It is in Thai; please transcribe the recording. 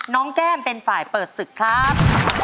แก้มเป็นฝ่ายเปิดศึกครับ